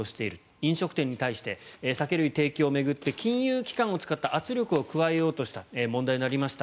飲食店に対して酒類提供を巡って金融機関を使った圧力を加えようとした問題になりました